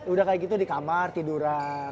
udah kayak gitu di kamar tiduran